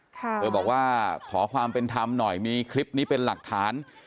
เธอบอกว่าขอความเป็นธรรมหน่อยมีคลิปนี้เป็นหลักฐาน